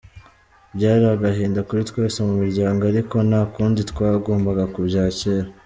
Byari agahinda kuri twese mu muryango ariko nta kundi twagomba kubyakira.